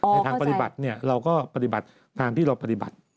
ทางปฏิบัติเราก็ปฏิบัติตามที่เราปฏิบัติ